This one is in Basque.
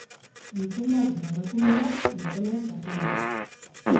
Gizon bat eta emakume bat lokalean sartu dira.